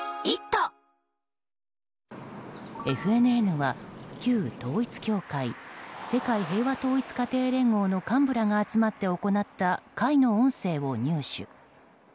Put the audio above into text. ＦＮＮは旧統一教会世界平和統一家庭連合の幹部らが集まって行った会の音声を入手。